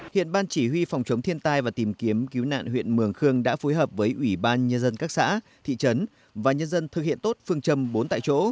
hiện ban chỉ huy phòng chống thiên tai và tìm kiếm cứu nạn huyện mường khương đã phối hợp với ủy ban nhân dân các xã thị trấn và nhân dân thực hiện tốt phương châm bốn tại chỗ